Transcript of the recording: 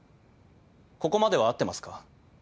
ここまでは合ってますか？